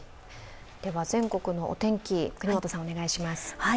全国のお天気、國本さん、お願いします。